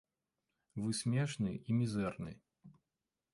Вы смешны і мізэрны.